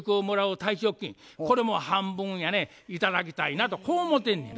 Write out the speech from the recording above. これも半分やね頂きたいなとこう思うてんねや。